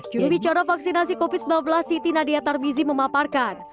jurubicara vaksinasi covid sembilan belas siti nadia tarbizi memaparkan